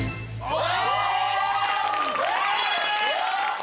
お！